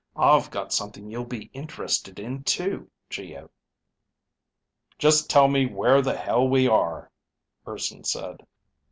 I've got something you'll be interested in too, Geo." "Just tell me where the hell we are," Urson said.